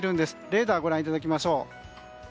レーダーご覧いただきましょう。